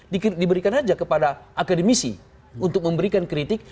diberikan saja kepada akademisi untuk memberikan kritik